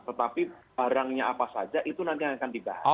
tetapi barangnya apa saja itu nanti akan dibahas